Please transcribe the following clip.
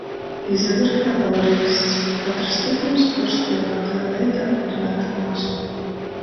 Izaver kai valrīksts. Kotrys tykums puorspeilātā veidā ir natykums.